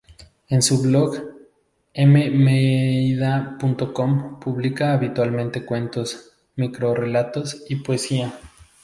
En su blog mmeida.com publica habitualmente cuentos, microrrelatos y poesía.